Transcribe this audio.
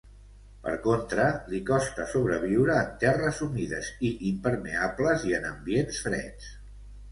Per contra, li costa sobreviure en terres humides i impermeables i en ambients freds.